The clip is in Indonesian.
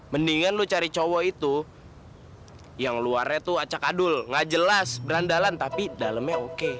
mendingan lu cari cowok itu yang luarnya tuh acakadul gak jelas berandalan tapi dalemnya oke